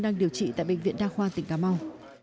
đang điều trị tại bệnh viện đa khoa tỉnh cà mau